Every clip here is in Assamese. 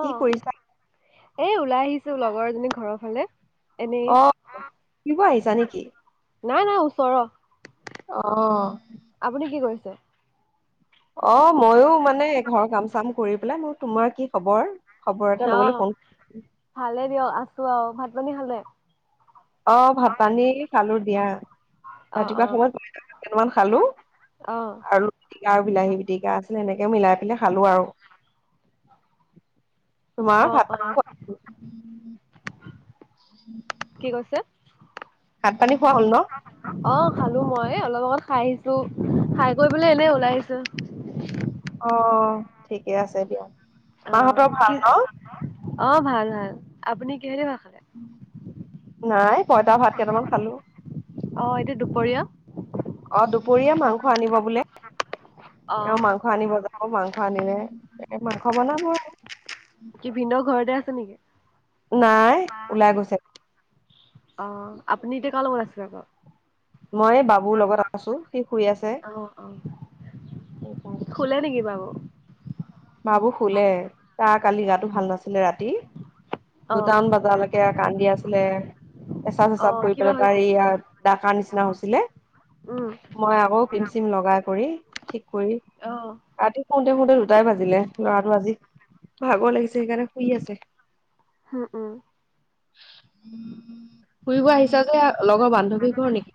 [inaudible] কি কৰিছা? এ ওলাই আহিছো লগৰ এজনীৰ ঘৰৰ ফালে। এনেই অ', ফুৰিব আহিছা নেকি? নাই নাই ওচৰৰ। অ'। আপুনি কি কৰিছে? অ' মইও মানে ঘৰৰ কাম চাম কৰি পেলাই মোৰ, তোমাৰ কি খবৰ? খবৰ এটা অ ল'বলৈ ফোন ভালে [unintelligible] ভাত, পানী খালে? অ', ভাত পানী খালো দিয়া অ ৰাতিপুৱা অ সময়ত [unintelligible] কেইটামান খালোঁ অ আৰু পিটিকা আৰু বিলাহী পিটিকা আছিল সেনেকে মিলাই পেলাই খালোঁ আৰু। তোমাৰ ভাত অ', পানী খোৱা অ', কি কৈছে? ভাত, পানী খোৱা হ'ল ন? অ খালো মই অলপ আগত খাই আহিছো খাই কৰি পেলাই এনেই ওলাই আহিছো। অ' ঠিকে আছে দিয়া। মাহঁতৰ অ', ভাল কি ন? অ', ভাল, ভাল আপুনি কিহেদি ভাত খালে নাই, পইতা ভাত কেটামান খালোঁ। অ', এইটো দুপৰীয়া। অ', দুপৰীয়া মাংস আনিব বোলে, অ এওঁ মাংস আনিব যাব মাংস আনিলে। এ মাংস বনাব। কি ভিন্দ ঘৰতে আছে নেকি? নাই ওলাই গৈছে। অ' আপুনি এতিয়া কাৰ লগত আছে আকৌ? মই বাবুৰ লগত আছোঁ, সি শুই আছে। অ অ শুলে নেকি বাবু? বাবু শুলে তাৰ কালি গাটো ভাল নাছিলে ৰাতি। অ দুটামান বজালৈকে কান্দি আছিলে পেচাব চেচাব অ', কৰি কিবা পেলাই তাৰ হৈছে? ইয়া দাগ হৈছিলে উম। মই আকৌ ক্ৰীম, চিম লগাই কৰি ঠিক কৰি অ'। ৰাতি শুৱতে, শুৱতে দুটাই বাজি লে ল'ৰাটো আজি ভাগৰ লাগিছে সেইকাৰণে শুই আছে। উম, উম। ফুৰিব আহিছা যে লগৰ বান্ধৱী ঘৰ নেকি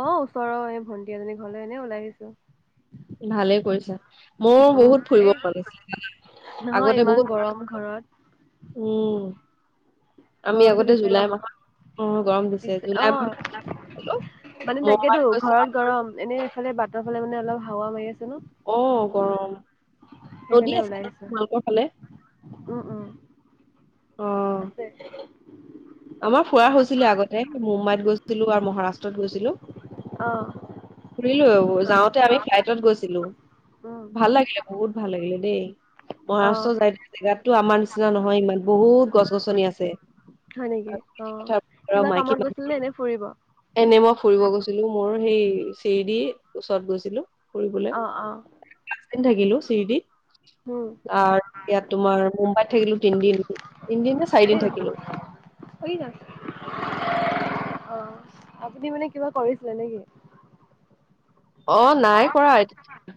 অ' ওচৰৰ এই ভন্টি এজনী ঘৰলৈ এনে ওলাই আহিছো। ভালে কৰিছা। ময়ো উম, বহুত ফুৰিব এই পাৰো, নহয় আগতে ইমান বহুত গৰম ঘৰত। ফুৰিছিলো। উম আমি গৰমটো আগতে দিছে ন' জুলাই মাহত। অ' গৰম দিছে জুলাই মাহ হ'লো মানে তাকেতো ঘৰত গৰম এনে এইফালে বাটৰ ফালে মানে অলপ হাৱা মাৰি আছে অ যে। গৰম নদী আছে নে আহিছো। তোমালোকৰ ফালে? উম, উম অ আছে। আমাৰ ফুৰা হৈছিলে আগতে মুম্বাইত গৈছিলো আৰু মহাৰাষ্ট্ৰত গৈছিলো। অ', ফুৰিলো, যাওঁতে আমি ফ্লাইটত গৈছিলো উম, ভাল লাগিলে বহুত। ভাল লাগিলে দেই, অ'। মহাৰাষ্ট্ৰ যাই দিয়া জেগাতো আমাৰ নিচিনা নহয় ইমান বহুত গছ গছনি আছে। হয় নেকি? অ' কথা কিবা মাইকী কামত মানুহ গৈছিল নে এনে ফুৰিব? এনে মই ফুৰিব গৈছিলো মোৰ সেই চিৰদিৰ ওচৰত গৈছিলো। অ', অ'। দিন থাকিলো চিৰডিত উম, আৰু ইয়াত তোমাৰ মুম্বাইত থাকিলো তিনদিন। তিন দিন নে চাৰিদিন এই থাকিলো। অ' আপুনি মানে কিবা কৰিছিলে নেকি? অ' নাই কৰা এ।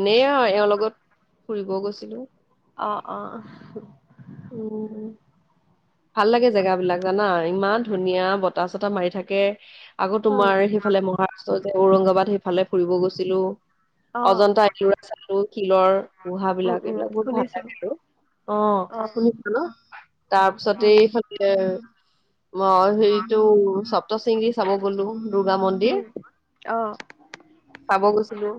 এনেই অ এওঁৰ লগত ফুৰিব গৈছিলো। অ', অ'। উম। ভাল লাগে জেগ বিলাক জানা ইমান ধুনীয়া বতাহ চতাহ মাৰি থাকে আকৌ উম তোমাৰ সেইফালে মহাৰাষ্ট্ৰ যে ঔৰংগাবাদ সেইফালে ফুৰিব গৈছিলো। অ', অজন্তা ইউৰা চালো শিলৰ গুহা উম, বিলাক, উম, এইবিলাক বহুত ভাল শুনিছোঁ লাগে আৰু। অ' শুনিছিলো, তাৰ পিছতে উম, এইফালে মই হেৰিটো সপ্ত শিঙী চাব গ'লো দুৰ্গা মন্দিৰ উম, চাব গৈছিলো। আহ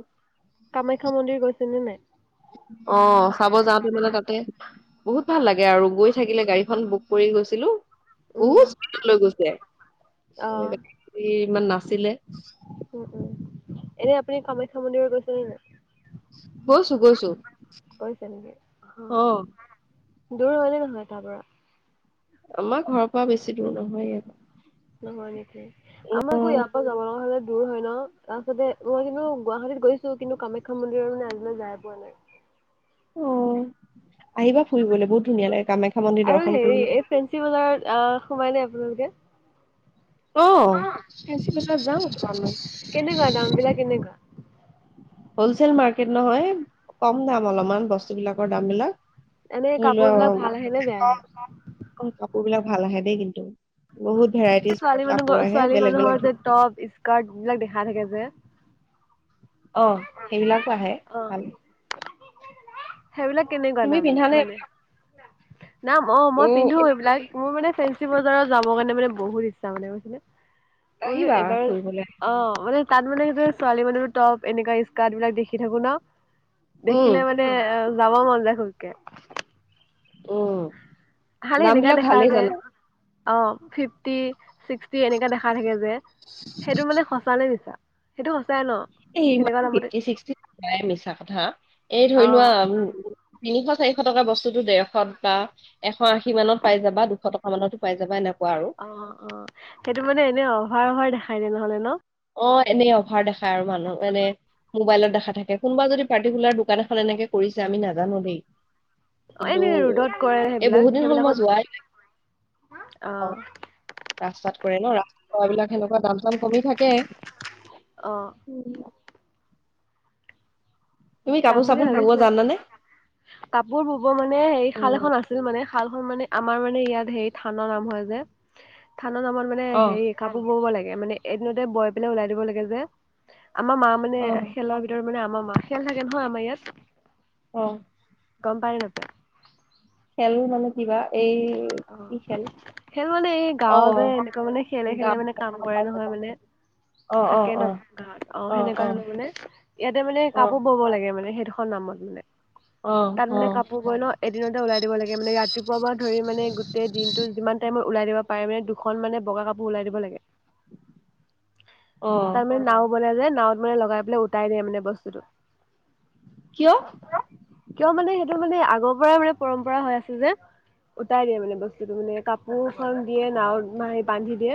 কামাখ্যা মন্দিৰ গৈছে চনেমে অ', চাব যাওঁতে মানে তাতে বহুত ভাল লাগে আৰু গৈ থাকিলে গাড়ীখন বুক কৰি গৈছিলো উম, বহুত স্পীডত লৈ গৈছে। অ', ভিৰ ইমান নাছিলে। এনে আপুনি কামাখ্যা মন্দিৰত গৈছে নে নাই? গৈছোঁ গৈছোঁ। গৈছে নেকি, অ', দূৰ হয় নে নহয় তাৰ পৰা? আমাৰ ঘৰৰ পৰা বেছি দূৰ নহয় ইয়াত। নহয় নেকি আমাকো ইয়াৰ পৰা যাব লগা হলে। দূৰ হয় ন তাৰপাছতে মই কিন্তু গুৱাহাটীত গৈছো কিন্তু কামাখ্যা মন্দিৰৰ মানে আজিলৈ যাই পোৱা নাই। অ', আহিবা ফুৰিবলৈ, বহুত ধুনীয়া লাগে। কামাখ্যা মন্দিৰ আৰু দৰ্শন হেৰি কৰিবলৈ এই ফেঞ্চি বজাৰত সোমাই ন আপোনালোকে? অ', ফেঞ্চি বজাৰত যাম কেনেকুৱা দাম বিলাক [unintelligible] কেনেকুৱা? হলচল মাৰ্কেট নহয় কম দাম অলপমান বস্তুবলাকৰ দাম বিলাক। এনে ধৰি কাপোৰ বিলাক ভাল আহে লোৱা, নে বেয়া আহে? [unintelligible] কাপোৰ বিলাক ভাল আহে দেই কিন্তু। বহুত ভেৰাইটিজ ছোৱালী কাপোৰ মানুহ আহে ছোৱালী বেলেগ বেলেগ মানুহৰ ধৰ যে টপ স্কাৰ্ট এইবিলাক দেখা থাকে যে। অ', সেইবিলাকো আহে, অ', ভাল। সেইবিলাক কেনেকুৱা তুমি দাম পিন্ধা নে মানে? নাম মই উম পিন্ধো এইবিলাক, মোৰ মানে ফেঞ্চি বজাৰত যাবৰ কাৰণে মানে বহুত ইচ্ছা মানে, বুজিছানে? ম আহিবা এবাৰ ফুৰিবলৈ অ মান তাত মানে সেইবিলাক ছোৱালী মানুহৰ টপ, এনেকুৱা স্কাৰ্ট বিলাক দেখি থাকোঁ ন উম দেখিলে মানে যাব মন যায় খুবকে। উ খালি নাম এনেকা বিলাক দেখা ভালে যে জানা। অ', ফিফটি, ছিক্সটি এনেকে দেখা থাকে যে। সেইটো মানে সঁচানে মিছা, সেইটো সঁচ এই মিছা কথা এই ধৰি লোৱা অ', তিনিশ চাৰিশ টকা বস্তুতো ডেৰশত বা এশ আশী মানত পাই যাবা দুশ টকা মানতো পাই যাবা এনেকুৱা। আৰু অ', অ', সেইটো মানে এনেই অভাৰ-অভাৰ দেখাই দিয়ে নহ'লে ন? অ', এনেই অভাৰ দেখাই আৰু মানুহ মানে মোবাইলত দেখা থাকে কোনোবা যদি পাৰ্টিকুলাৰ দোকান এখন এনেকে কৰিছে আমি নাজানো দেই। অ কিন্তু, এনে ৰ'দত কৰে এই সেইবিলাক বহুত দিন হ'ল মই সেইবিলাকত যোৱাই নাই। অ', ৰাস্তাত কৰে ন, ৰাস্তাত কৰা বিলাক সেনেকুৱা দাম চাম কমি থাক কে, অ উম তুমি যাম কাপোৰ বুলি চাপোৰ বব ভাবিছোঁ, জানানে কাপোৰ ব'ব মানে সেই শাল উম এখন আছিল মানে থানখন মানে আমাৰ মানে ইয়াত হেৰি থানৰ নাম হয় যে শালত আমাৰ মানে অ হেৰি কাপোৰ ব'ব লাগে, মানে এদিনতে বৈ পেলাই ওলাই দিব লাগে যে আমাৰ মা মানে অ শেলৰ ভিতৰত মানে আমাৰ মা, শেল থাকে নহয় আমাৰ ইয়াত অ' গম পাই নাপায়? খেলো মানে কিবা এই অ, কি খেল খেল মানে এই গাঁৱ যে অ এনেকুৱা মানে অ অ খেলে-খেলে মানে কাম কৰে নহয় মানে। অ থাকে ন গাওঁত, অ সেনেকুৱা ধৰণৰ মানে ইয়াতে মানে অ কাপোৰ বব লাগে মানে স দুখন নামত মানে অ তাত অ মানে কাপোৰ কৈ ন এদিনতে ওলাই দিব লাগে মানে ৰাতিপুৱা পৰা ধৰি মানে গোটেই দিনটো যিমান টাইমত ওলাই দিব পাৰে মানে দুখন মানে বগা কাপোৰ ওলাই দিব লাগে। অ তাৰমানে নাও বনাই যে নাৱত মানে লগাই পেলাই উটাই দিয়ে মানে বস্তুটো। কিয়? কিয় মানে সেইটো মানে আগৰ পৰাই মানে পৰম্পৰা হৈ আছে যে। উটাই দিয়ে মানে বস্তুটো মানে কাপোৰ এখন দিয়ে নাৱত বান্ধি দিয়ে।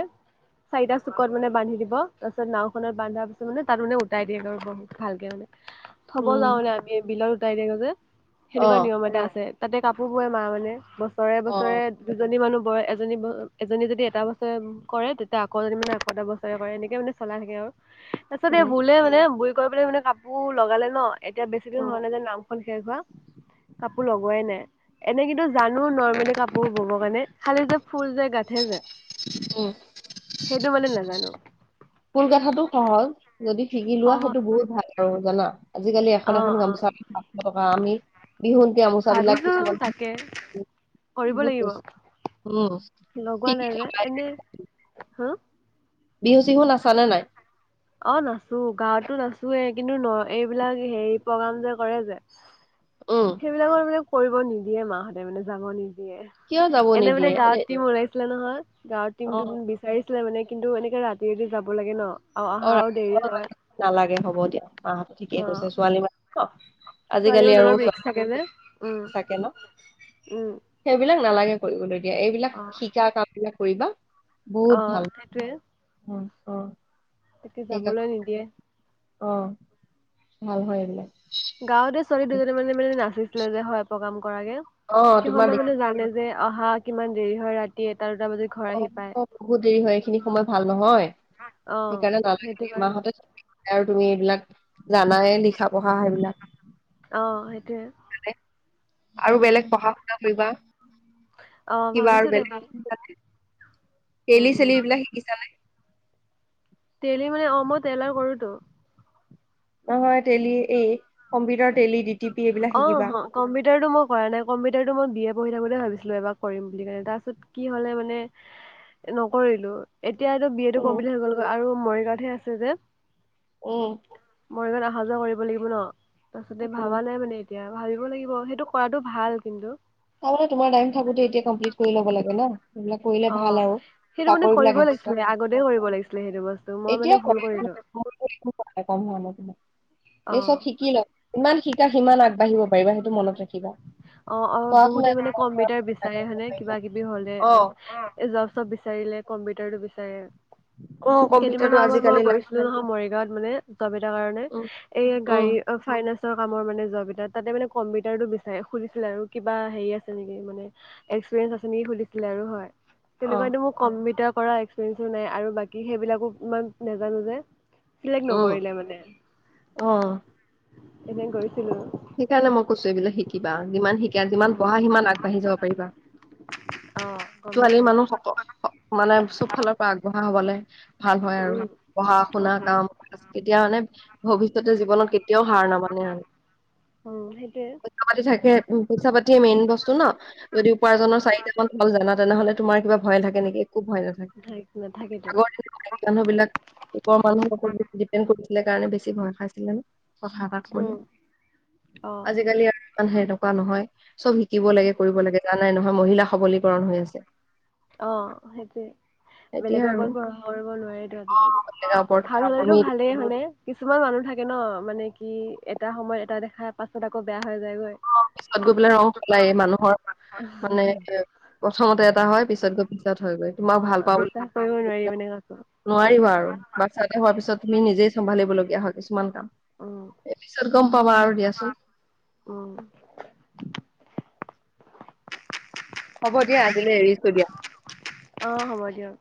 চাৰিটা চুকত মানে বান্ধি দিব তাৰপিছত নাওখনত বান্ধাৰ পিছত মানে তাত মানে উটাই দিয়ে আৰু বহুত ভালকে মানে। থ'ব যাওঁ উম নে আমি বিলত উটাই থাকো যে অ সেনেকুৱা নিয়ম এটা আছে। তাতে কাপোৰ বোৱে মা মানে বছৰে অ বছৰে দুজনী মানুহ বৰে এজনী এজনী যদি এটা বছৰে কৰে। তেতিয়া আকৌজনী মানে আকৌ এটা বছৰে কৰ। এনেকৈ মানে চলাই থাকে। আৰু তাৰপিছত উম বোলে মানে বুৰি কৰিব পলৈ মানে কাপোৰ লগালে ন এতিয়া বেছি দিন উম হোৱা নাই যে নাম শেষ হোৱা। কাপোৰ লগোৱাই নাই, এনে কিন্তু জানো নৰ্মেলি কাপোৰ ব'ব কাৰণে খালি যে ফুল যে গাঠে যে। উম সেইটো মানে নাজানো। ফুল গঠাটো সহজ, যদি শিকি লোৱা সহ সেইটো বহুত ভাল আৰু জানা। আজিকালি এখন অ এখন অ গামোচা পাঁচশ টকা আমি বিহু গামোচা বিলাক ভাবিছো কিছুমান অল তাকে কৰিব লাগিব, লগোৱা শিকি নাই থক যে এনে, হা? বিহু চিহু নাচা নে নাই? অ', নাচো গাঁৱতো নাচোৱে কিন্তু ন' এইবিলাক হেৰি প্ৰগ্ৰাম যে কৰে যে। উম সেইবিলাকৰ মানে কৰিব নিদিয়ে মাহঁতে মানে যাব নি দিয়ে কিয় যাব এনে মানে নিদিয়ে গাঁৱত [unintelligible] আছিলে নহয় গাঁৱৰ অ টিমটো বিচাৰিছিলে মানে কিন্তু, এনেকে ৰাতি ৰাতি যাব লাগে ন'। আৰু অ', অহাও দেৰি ৰাতিপ হয়। নালাগে হ'ব দিয়া মাহঁত ঠিকেই অ কৈছে ছোৱালী মানুহ ন'। ছোৱালী আজিকালি মানে আৰু অলপ ৰিক্স থাকে যে উম চাকে ন'। উম সেইবিলাক নালাগে কৰিবলৈ দিয়া এইবিলাক অ শিকা কামবিলাক কৰিবা। অ বহুত ভাল সেইটোৱে অ', অ'। তাকে সেইবিলাক যাবলৈ নিদিয়ে। অ', ভাল হয় এইবিলাক। গাঁৱতে ছোৱালী দুজনীনে মানে মানে নাচিছিলে, যে হয় পকাম কৰাগে অ তোমাৰ সিহঁতে দেখি মানে জানে যে অহা কিমান দেৰি হয় ৰাতি। দুটা বজাত ঘৰ অ', আহি পায়। অ', বহুত দেৰি হয় এইখিনি সময় ভাল নহয়। অ', সেইকাৰণে নালাগে সেইটো দিয়া কাৰণে মাহঁতে আৰু তুমি এইবিলাক জানাইে লিখা পঢ়া সেইবিলাক অ', সেইটোৱে আৰু উম। বেলেগ পঢ়া শুনা কৰিবা। অ', কিবা ভাবিছো আৰু বেলেগ তাকে উম, টেলি উম, চেলি এইবিলাক শিকিছানে? তেলি মানে অ মই তেলাৰ কৰোতো নহয় তেলি এই কম্পিউটাৰ তেলি দি অ, কম্পিউটাৰ টো ম কৰা নাই কম্পিউটাৰতো মই বি এ পঢ়ি থাক ব বুলি ভাবিছিলো এবাৰ কৰিম বুলি কণে তাৰপিছত কি হ'লে মানে নকৰিলো এতিয়া এইটো বি এটো উম কমপ্লিট হৈ গলগৈ আৰু মৰিগাঁতহে আছে যে উম। মই মানে অহা যোৱা কৰিব লাগিব ন? তাৰ পাছতে উম ভাবা নাই মানে এতিয়া ভাবিব লাগিব সেইটো কৰাটো ভাল কিন্তু৷ তাৰমানে তোমাৰ টাইম থাকোতে এতিয়া কমপ্লিট কৰি লব লাগে ন? সেবিলাক কৰিলে অ ভাল আৰু৷ সেইটো মানে কাপোৰ বিলাক কৰিব লাগিছিলে আগতে কৰিব এক্সট্ৰা৷ লাগিছিলে সেইটো বস্তু মই এতিয়া মানে ভুল কৰিলো কৰিব। কথা কম অ এই চব শিকি ল ইমান শিক সিমান আগবাঢ়িব পাৰিব সেইটো মনত ৰাখিবা অ-অ পঢ়া শুনা বহুতে মানে কম্পিউটাৰ বিচাৰে হয়নে কিবা কিবি হলে৷ অ', জব চব বিচাৰিলে কম্পিউটাৰটো বিচাৰে৷ অ কেইদিনমান কম্পিউটাৰটো আগত আজিকালি মই লাগে গৈছিলোঁ নহয় মৰিগ তাত মানে, কম্পিউটাৰ কাৰণে৷ উম এই উম গাড়ীৰ অ' ফাইনাঞ্চ কামৰ মানে জব এটা তাতে মানে কম্পিটাৰটো বিচ সুধিছিলে আৰু কিবা হেৰি আছে নেকি মানে এক্সপিৰিয়েন্স আছে নেকি সুধিছিলে আৰু হয়৷ অ তেনেকুৱা কিন্ত কম্পিউটাৰ কৰা এক্সপিৰিয়েন্সো নাই আৰু বাকী সেইবিলাকো ইমান নাজানো যে৷ চিলেক্ট উম নকৰিলে মানে অ এনে কৰিছিলোঁ আৰু৷ সেইকাৰণে মই কৈছো এইবিলাক শিকিবা৷ যিমান শিকা যিমান পঢ়া সিমান আগবাঢ়ি যাব পাৰিবা৷ অ', ছোৱালী মানুহ সক মানে চব ফালৰ পৰা আগবঢ়া হবলে ভাল হয় আৰু উম পঢ়া শু শুনা অঁ কাম এতিয়া মানে ভৱিষ্যতে জীৱনত কেতিয়াও হাৰ নামানে আৰু৷ অ' সেইটোয়ে। পইচা পাতি থাকে৷ পইচা পাতিয়ে মেইন বস্তু ন? যদি উম উপাৰ্জনৰ চাৰিটামান ভাল জানা তানা মানে তোমাৰ কিবা ভয় লাগে নেকি? একো ভয় নাথাকেতো নাথাকে৷আগৰ দিনৰ মাইকী মানুহ বিলাক মানুহ দিপেন্ত কৰে সেই কাৰণে বেছি ভয় খাইছিলে ন? কথা এটা উম কবলে অঁ আজিকালি আৰু ইমান সেনেকুৱা নহয় চব শিকিব লাগে কৰিব লাগে জানাই নহয়? মহিলা সবলীকৰণ হৈ আছে৷ অ' সেইটোৱে৷ এতিয়া বেলেগৰ আৰু ওপৰত ভৰষা কৰিব নোৱাৰিতো আজিকালি ৷ জেগাৰ অ৷ ওপৰত ভাল হলেতো তুমি ভালেই হয়নে? কিছুমান মানুহ থাকে ন মানে কি এটা সময়ত এটা দেখাৰ পাছত আকৌ বেয়া হৈ যায়গৈ৷ অ', পিছত গৈ পেলায় ৰং সলায় মানুহৰ৷ মানে প্ৰথমতে এটা হয় পিছত গৈ পিছত হৈ গৈ তোমাক ভাল অ' পাওঁ বুলি বিশ্বাস কৰিব কৈ নোৱাৰি পেলাই মানে কাকো। নোৱাৰিবা আৰু বাচ্ছা এটা হোৱাৰ পিছত তুমি নিজেই চম্ভালিবলগীয়া হয় কিছুমান উম, কাম৷ এই পিছত গম পাবা আৰু দিয়াচোন। উম, হ'ব দিয়া আজিলৈ এৰিছো দিয়া৷ অ' হ'ব দিয়ক।